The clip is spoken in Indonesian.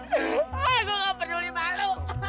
ah gue nggak peduli malu